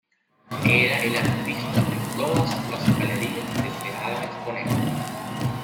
Era el artista que todas las galerías deseaban exponer.